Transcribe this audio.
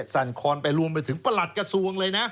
สั่นคอนไปรวมไปถึงประหลัดกระทรวงเลยนะ